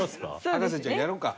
『博士ちゃん』やろうか。